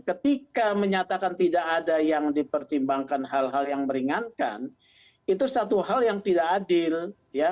ketika menyatakan tidak ada yang dipertimbangkan hal hal yang meringankan itu satu hal yang tidak adil